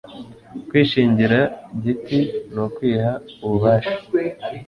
kwishingira giti ni ukwiha ububasha